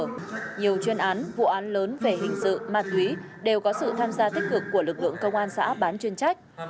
nhiều chuyên án vụ án lớn về hình sự ma túy đều có sự tham gia tích cực của lực lượng công an xã bán chuyên trách